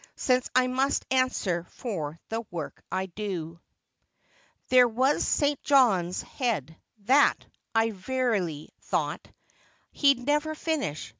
Since I must answer for the work I do." 95 ITALY There was St. John's head, that I verily thought He'd never finish.